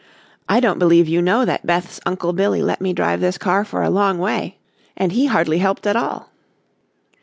"I don't believe you know that Beth's Uncle Billy let me drive this car for a long way and he hardly helped at all."